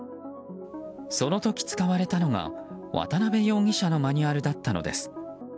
その時、使われたのが渡辺容疑者のマニュアルだったのです。